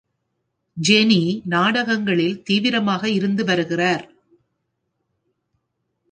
Janney நாடகங்களில் தீவிரமாக இருந்து வருகிறார்.